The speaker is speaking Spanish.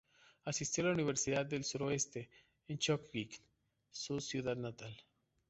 Asistió a la Universidad del Suroeste en Chongqing, su ciudad natal.